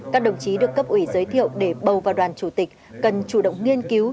các đồng chí được cấp ủy giới thiệu để bầu vào đoàn chủ tịch cần chủ động nghiên cứu